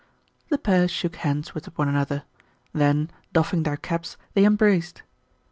The pair shook hands with one another. Then, doffing their caps, they embraced.